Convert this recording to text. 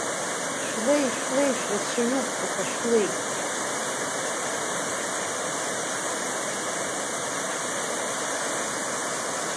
Шәлеи, шәлеи, шәрацәаҩуп, аха шәлеи!